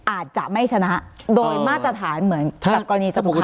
อาจจะไม่ชนะโดยมาตรฐานเหมือนกรณีสัตว์สองทาม